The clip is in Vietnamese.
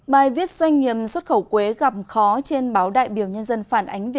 bài viết doanh nghiệm xuất khẩu quế gặp khó trên báo đại biểu nhân dân phản ánh